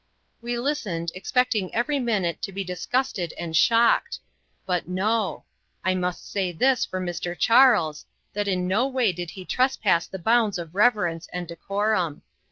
We listened, expecting every minute to be disgusted and shocked: but no! I must say this for Mr. Charles, that in no way did he trespass the bounds of reverence and decorum.